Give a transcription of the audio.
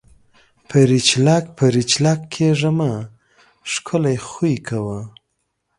پَرچېلک پَرچېلک کېږه مه! ښکلے خوئې کوه۔